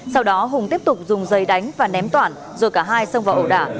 sau đó hùng tiếp tục dùng giày đánh và ném toản rồi cả hai xông vào ổ đả